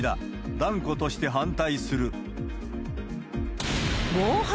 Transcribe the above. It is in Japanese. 断固として反対する。